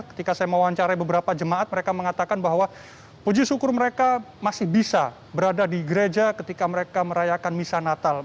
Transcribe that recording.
ketika saya mewawancarai beberapa jemaat mereka mengatakan bahwa puji syukur mereka masih bisa berada di gereja ketika mereka merayakan misa natal